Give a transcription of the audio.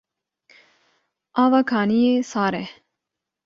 Ava kaniyê sar e.